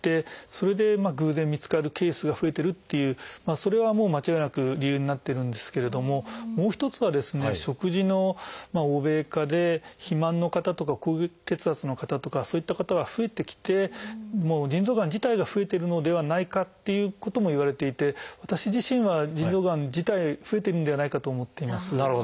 それで偶然見つかるケースが増えてるっていうそれはもう間違いなく理由になってるんですけれどももう一つはですね食事の欧米化で肥満の方とか高血圧の方とかそういった方が増えてきてもう腎臓がん自体が増えているのではないかっていうこともいわれていて私自身は腎臓がん自体増えてるんではないかと思っています。